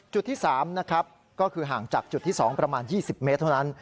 จุดที่๓นะครับก็คือห่างจากจุดที่๒ประมาณ๒๐เมตรเท่านั้น